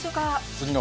次の。